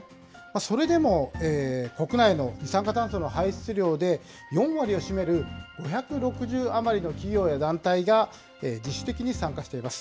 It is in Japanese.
それでも国内の二酸化炭素の排出量で、４割を占める５６０余りの企業や団体が、自主的に参加しています。